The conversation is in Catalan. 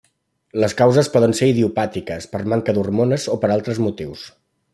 Les causes poden ser idiopàtiques, per manca d'hormones o per altres motius.